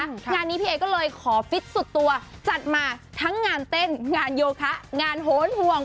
งานนี้พี่เอก็เลยขอฟิตสุดตัวจัดมาทั้งงานเต้นงานโยคะงานโหนห่วง